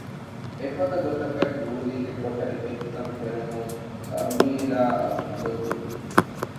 އެފަދަ ގޮތަކަށް ޖޫލީގެ ކޮޓަރި އޮތްތަން ފެނުމުން ސަރުމީލާއަށް އުނދަގޫވި